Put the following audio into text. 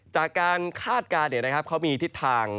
จากการคาดการณ์เขามีทิศทาง